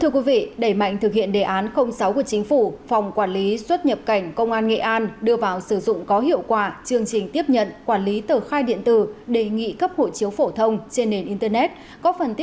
các bạn hãy đăng ký kênh để ủng hộ kênh của chúng mình nhé